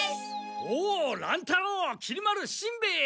おお乱太郎きり丸しんべヱ！